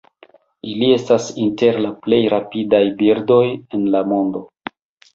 Ili estas inter la plej rapidaj birdoj en la mondo.